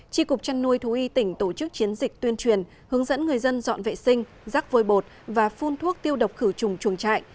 tri cục trăn nuôi thú y tỉnh tổ chức chiến dịch tuyên truyền hướng dẫn người dân dọn vệ sinh rác vôi bột và phun thuốc tiêu độc khử trùng chuồng trại